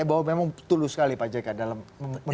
bahwa memang tulus sekali pak jk dalam